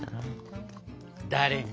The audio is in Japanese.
誰に？